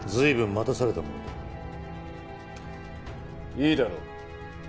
いいだろう。